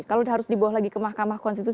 kalau harus dibawa lagi ke mahkamah konstitusi